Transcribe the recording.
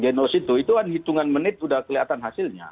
genos itu itu kan hitungan menit sudah kelihatan hasilnya